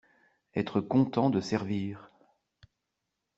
Être content de servir